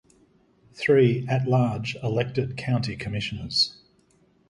Three at-large elected county commissioners.